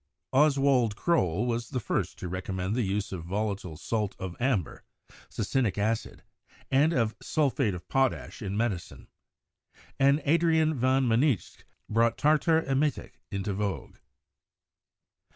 Oswald Croll was the first to recommend the use of volatile salt of amber (succinic acid) and of sulphate of potash in medicine; and Adrian van Mynsicht brought tartar emetic into vogue.